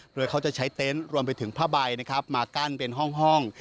โดยเขาจะใช้เต็นต์รวมไปถึงผ้าใบนะครับมากั้นเป็นห้อง